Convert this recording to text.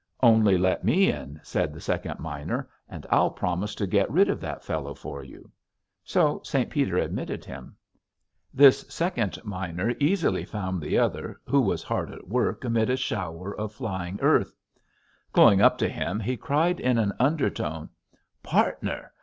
"Only let me in," said the second miner, "and I'll promise to get rid of that fellow for you." So St. Peter admitted him. This second miner easily found the other who was hard at work amid a shower of flying earth. Going up to him he cried in an undertone: "Partner!